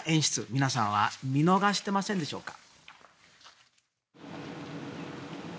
皆さんは見逃してませんでしょうか？